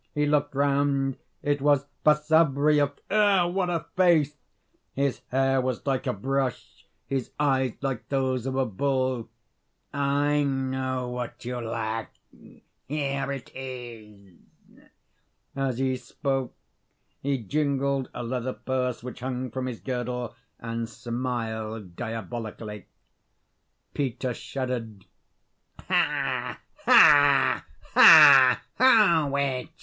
He looked round it was Basavriuk! Ugh, what a face! His hair was like a brush, his eyes like those of a bull. "I know what you lack: here it is." As he spoke he jingled a leather purse which hung from his girdle and smiled diabolically. Peter shuddered. "Ha, ha, ha!